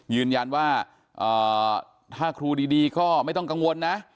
ยืนยันว่าถ้าครูดีก็ไม่ต้องกังวลนะ